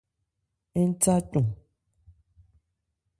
Ń tha cɔn.